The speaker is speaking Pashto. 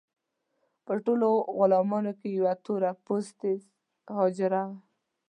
په ټولو غلامانو کې یوه تور پوستې حاجره.